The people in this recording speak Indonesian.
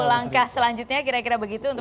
langkah selanjutnya kira kira begitu untuk